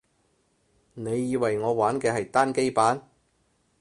你以為我玩嘅係單機版